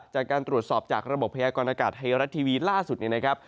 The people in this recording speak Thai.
จากการตรวจสอบจากระบบพยากรณากาศไทยรัฐทีวีล่าสุดนี้นะครับ